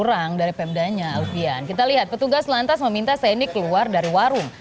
kurang dari pemdanya alfian kita lihat petugas lantas meminta saini keluar dari warung